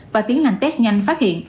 và tiến hành test nhanh phát hiện